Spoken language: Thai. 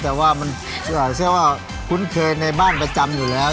แต่ว่ามันคุ้นเคยในบ้านประจำอยู่แล้ว